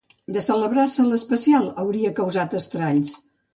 De celebrar-se l'especial hauria causat estralls.